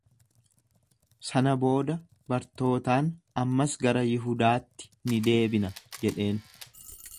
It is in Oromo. Sana booda bartootaan, Ammas gara Yihudaatti ni deebina jedheen.